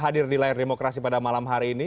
hadir di layar demokrasi pada malam hari ini